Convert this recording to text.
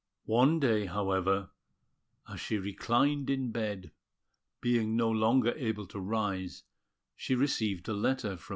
One day, however, as she reclined in bed, being no longer able to rise, she received a letter from M.